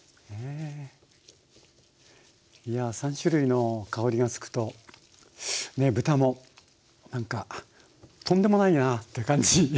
いやぁ３種類の香りがつくとねえ豚もなんか「豚でもないな」って感じ。